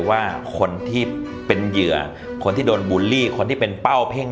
ว่าคนที่เป็นเหยื่อคนที่โดนบูลลี่คนที่เป็นเป้าเพ่ง